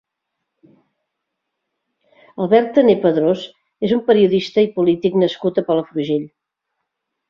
Albert Tané Padrós és un periodista i polític nascut a Palafrugell.